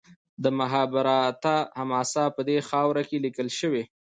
د مهابهاراتا حماسه په دې خاوره کې لیکل شوې.